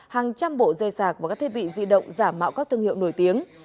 hàng trăm bộ dây sạc và các thiết bị di động giả mạo các thương hiệu nổi tiếng